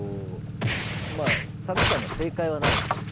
サッカーに正解はないんですよ。